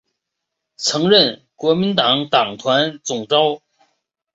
曾任国民党党团总召。